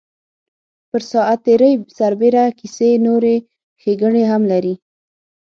پر ساعت تېرۍ سربېره کیسې نورې ښیګڼې هم لري.